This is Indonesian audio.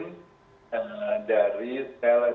tapi belum juga menjadi standar sekarang ini